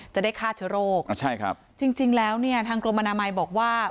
จะได้ฆ่าเชื้อโรคจริงแล้วเนี่ยทางกรมนามัยบอกว่า